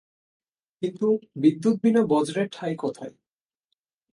কিন্তু বিদ্যুৎ বিনা বজ্রের ঠাঁই কোথায়?